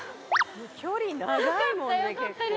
距離長いもんね。